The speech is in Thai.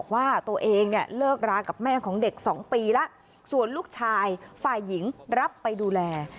ว่าตัวเองเนี่ยเลิกรากับแม่ของเด็ก๒ปีแล้วส่วนลูกชายฝ่ายหญิงรับไปดูแล